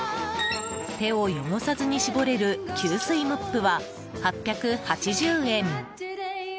手を汚さずに絞れる吸水モップは８８０円。